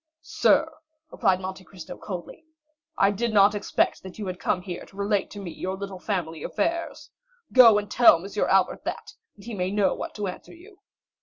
"Sir," replied Monte Cristo coldly, "I did not expect that you had come here to relate to me your little family affairs. Go and tell M. Albert that, and he may know what to answer you."